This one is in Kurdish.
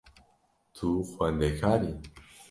Tu xwendekar î?